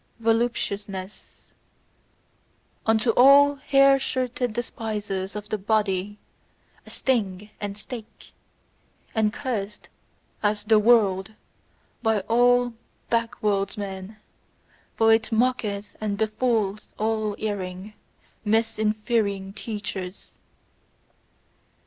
Voluptuousness: unto all hair shirted despisers of the body, a sting and stake; and, cursed as "the world," by all backworldsmen: for it mocketh and befooleth all erring, misinferring teachers.